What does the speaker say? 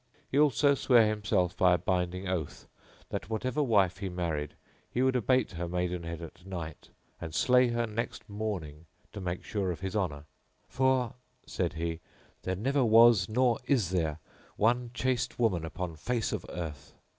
[FN#20] He also sware himself by a binding oath that whatever wife he married he would abate her maidenhead at night and slay her next morning to make sure of his honour; "For," said he, "there never was nor is there one chaste woman upon the face of earth."